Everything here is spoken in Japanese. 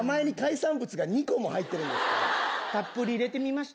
名前にたっぷり入れてみました。